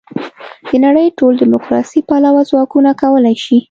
د نړۍ ټول دیموکراسي پلوه ځواکونه کولای شي.